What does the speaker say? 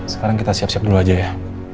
sekarang kita siap siap dulu aja ya